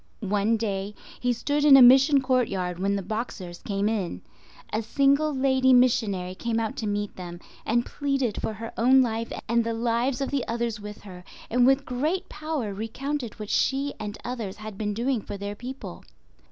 One day he stood in a mission courtyard when the Boxers came in. A single lady missionary came out to meet them, and pleaded for her own life and the lives of the others with her, and with great power recounted what she and others had been doing for their people.